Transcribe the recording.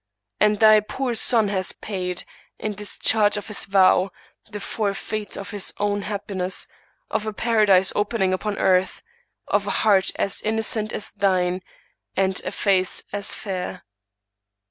And thy poor son has paid, in discharge of his vow, the forfeit of his own happiness, of a paradise opening upon earth, of a heart as innocent as thine, and a face as fair.